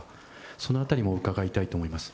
そのあたりも伺いたいと思います。